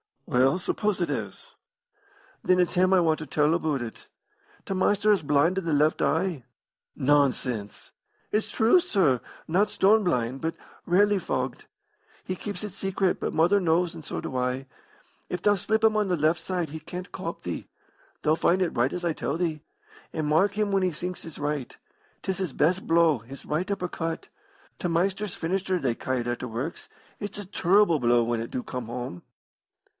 "Well, suppose it is?" "Then it's him I want to tell aboot it. T' Maister is blind o' the left eye." "Nonsense!" "It's true, sir. Not stone blind, but rarely fogged. He keeps it secret, but mother knows, and so do I. If thou slip him on the left side he can't cop thee. Thou'll find it right as I tell thee. And mark him when he sinks his right. 'Tis his best blow, his right upper cut. T' Maister's finisher, they ca' it at t' works. It's a turble blow when it do come home."